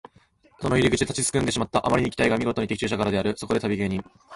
その入り口で立ちすくんでしまった。あまりに期待がみごとに的中したからである。そこで旅芸人